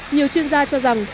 nhiều chuyên gia cho rằng